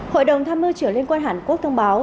hội đồng tham mưu trưởng liên quan hàn quốc thông báo